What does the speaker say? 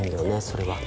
それは。